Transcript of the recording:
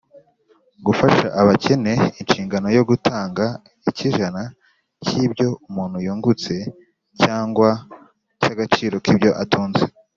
gufasha abakene inshingano yo gutanga icy’ijana cy’ibyo umuntu yungutse cyangwa cy’agaciro k’ibyo atunze